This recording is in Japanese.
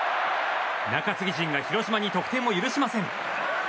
中継ぎ陣が広島に得点を許しません。